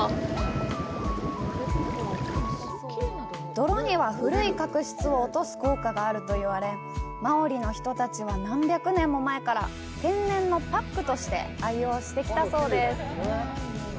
泥には古い角質を落とす効果があると言われ、マオリの人たちは何百年も前から天然のパックとして愛用してきたそうです。